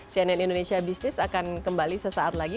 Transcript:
cnn indonesia business akan kembali sesaat lagi